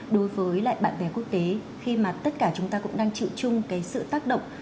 đối với lại bạn bè quốc tế khi mà tất cả chúng ta cũng đang chịu chung cái sự tác động